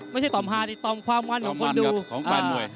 ไม่ใช่ตอมฮาแต่ตอมความวันของคนดู